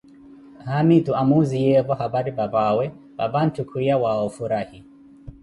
Haamitu amuziyeevo hapari papaawe, papantto kwiya wa ofurahi